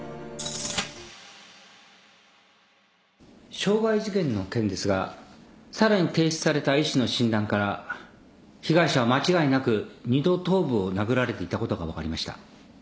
傷害事件の件ですがさらに提出された医師の診断から被害者は間違いなく２度頭部を殴られていたことが分かりました。